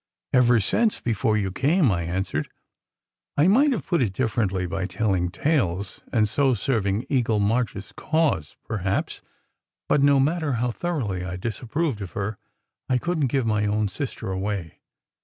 "Ever since before you came," I answered. I might have put it differently by telling tales, and so serving Eagle March s cause, perhaps; but no matter how thoroughly I disapproved of her, I couldn t give my own sister away.